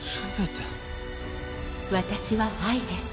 私は愛です。